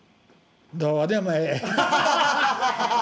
どうでもええ。